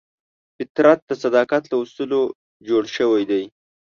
فطرت د صداقت له اصولو جوړ شوی دی.